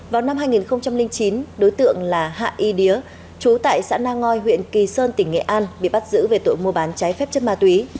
vào năm hai nghìn chín đối tượng là hạ y đía chú tại xã nang ngoi huyện kỳ sơn tỉnh nghệ an bị bắt giữ về tội mua bán trái phép chất ma túy